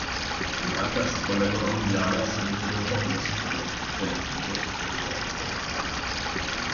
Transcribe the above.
Durante la seconda guerra mondiale ha servito in Europa nel settore "ricreativo" dell'Esercito Americano.